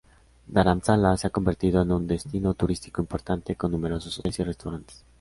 Dharamsala se ha convertido en un destino turístico importante, con numerosos hoteles y restaurantes.